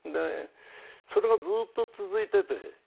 それがずっと続いてて。